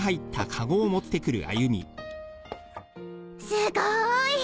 すごい！！